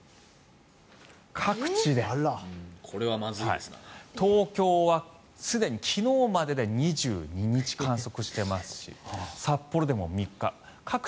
各地で東京は、すでに昨日までで２２日観測してますし札幌でも３日。